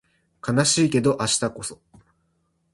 悲しいけど明日こそ